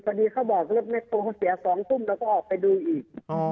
พอดีเขาบอกว่าไม่โทรเสีย๒ทุ่มแล้วก็ออกไปดูอีก